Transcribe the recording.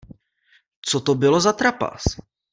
Co to bylo za trapas?